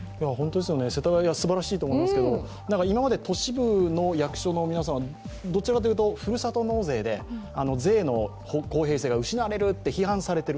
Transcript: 世田谷はすばらしいと思いますけれども、今まで都市部の役所の皆さんはどちらかというとふるさと納税で税の公平性が失われると批判されている。